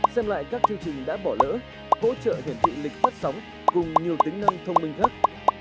xem lại các chương trình đã bỏ lỡ hỗ trợ hiệt thị lịch phát sóng cùng nhiều tính năng thông minh khác